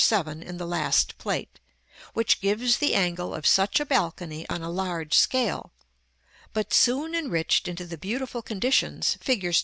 7 in the last Plate, which gives the angle of such a balcony on a large scale; but soon enriched into the beautiful conditions, figs.